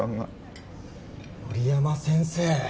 森山先生